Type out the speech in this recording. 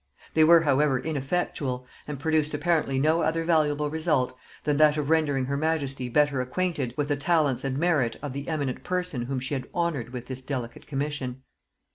They were however ineffectual, and produced apparently no other valuable result than that of rendering her majesty better acquainted with the talents and merit of the eminent person whom she had honored with this delicate commission.